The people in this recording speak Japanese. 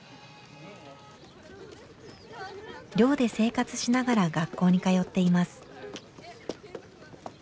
寮で生活しながら学校に通っています。